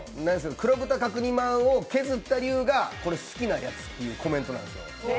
黒豚角煮まんを削ったのがこれ好きなやつってコメントなんですよ。